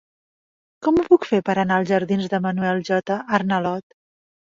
Com ho puc fer per anar als jardins de Manuel J. Arnalot?